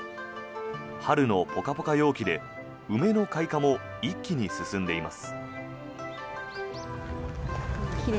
春のポカポカ陽気で梅の開花も一気に進んでいます。